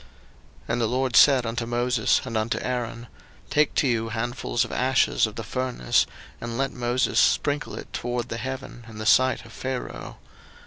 02:009:008 And the LORD said unto Moses and unto Aaron, Take to you handfuls of ashes of the furnace, and let Moses sprinkle it toward the heaven in the sight of Pharaoh.